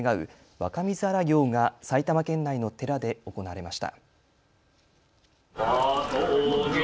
若水荒行が埼玉県内の寺で行われました。